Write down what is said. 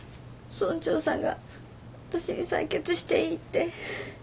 村長さんがわたしに採血していいって。